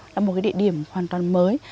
là một địa điểm hoàn toàn mới